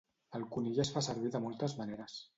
El conill es fa servir de moltes maneres